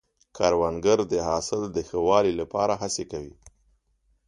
کروندګر د حاصل د ښه والي لپاره هڅې کوي